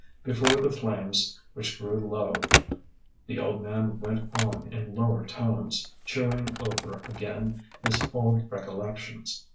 Before the flames which grew low, the old man went on in lower tones, chewing over again his old recollections.